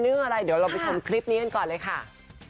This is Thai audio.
เรื่องอะไรเดี๋ยวเราไปชมคลิปนี้กันก่อนเลยค่ะ